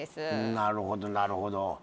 なるほどなるほど。